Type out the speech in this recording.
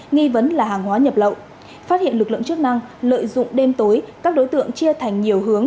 nghi vấn là hàng hóa nhập lậu phát hiện lực lượng chức năng lợi dụng đêm tối các đối tượng chia thành nhiều hướng